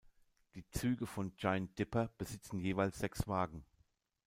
Die Züge von "Giant Dipper" besitzen jeweils sechs Wagen.